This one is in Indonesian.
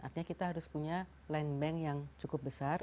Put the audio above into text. artinya kita harus punya land bank yang cukup besar